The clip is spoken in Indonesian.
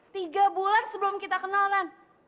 tiga bulan sebelum kita kenal ran